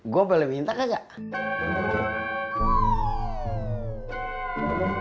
gue beli minta kakak